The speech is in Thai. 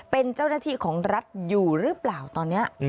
เป็นเจ้าหน้าที่ของรัฐอยู่หรือเปล่าตอนนี้